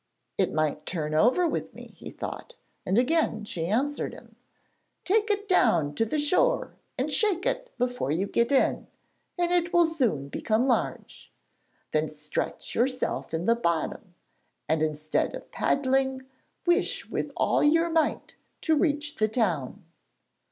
'It might turn over with me,' he thought, and again she answered him: 'Take it down to the shore and shake it before you get in, and it will soon become large. Then stretch yourself in the bottom, and, instead of paddling, wish with all your might to reach the town.'